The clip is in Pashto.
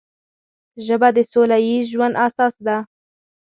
ژبه د سوله ییز ژوند اساس ده